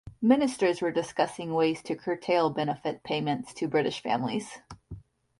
Ministers were discussing ways to curtail benefit payments to British families.